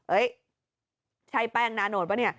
เอ๊ะใช่แป้งนาโนป่ะนี่